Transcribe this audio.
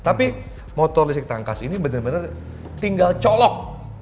tapi motor listrik tangkas ini benar benar tinggal colok